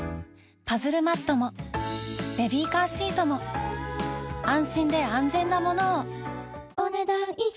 パズルマットもベビーカーシートも安心で安全なものをお、ねだん以上。